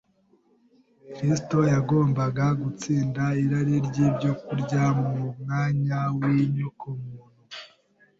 Kristo, yagombaga gutsinda irari ry’ibyo kurya mu mwanya w’inyokomuntu,